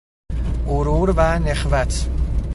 غرور و نخوت